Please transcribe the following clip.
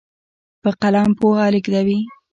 په قلم پوهه لیږدېږي.